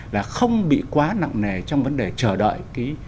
là không bị quá nặng nề trong vấn đề chờ đợi